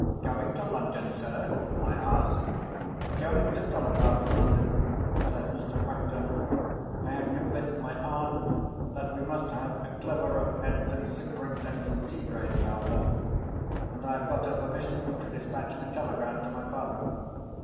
"Going to London, sir?" I asked. "Going to telegraph to London," says Mr. Franklin. "I have convinced my aunt that we must have a cleverer head than Superintendent Seegrave's to help us; and I have got her permission to despatch a telegram to my father.